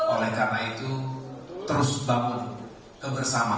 oleh karena itu terus bangun kebersamaan